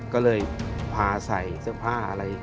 ก็เลยพาใส่เสื้อผ้าอะไร